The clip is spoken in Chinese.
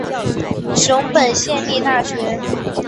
熊本县立大学